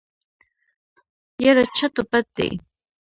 يره چټ و پټ دی.